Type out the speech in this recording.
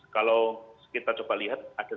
kalau kita coba lihat ada